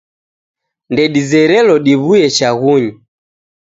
Ndedizerelo diw'uye chaghunyi.